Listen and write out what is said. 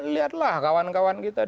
lihatlah kawan kawan kita